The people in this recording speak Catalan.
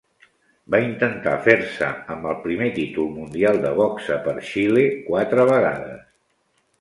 Va intentar fer-se amb el primer títol mundial de boxa per Xile quatre vegades.